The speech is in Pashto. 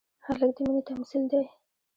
هلک د مینې تمثیل دی.